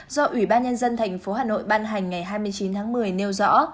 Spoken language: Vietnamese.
do ủy ban nhân dân tp hà nội ban hành ngày hai mươi chín tháng một mươi nêu rõ